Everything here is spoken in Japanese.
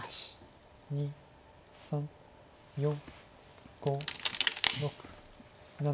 ２３４５６７。